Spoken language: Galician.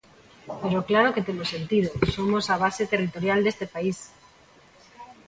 Pero claro que temos sentido, somos a base territorial deste país.